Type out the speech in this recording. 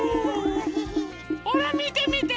ほらみてみて！